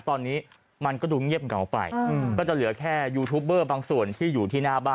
ตอนนี้มันก็ดูเงียบเหงาไปก็จะเหลือแค่ยูทูปเบอร์บางส่วนที่อยู่ที่หน้าบ้าน